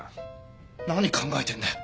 何考えてんだよ。